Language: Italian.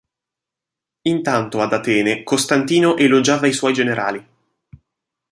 Intanto ad Atene Costantino elogiava i suoi generali.